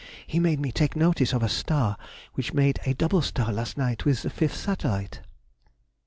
He made me take notice of a star, which made a double star last night with the fifth satellite.